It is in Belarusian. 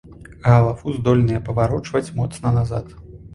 Галаву здольная паварочваць моцна назад.